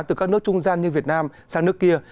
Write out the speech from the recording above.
từ các nước trung gian như việt nam sang nước kia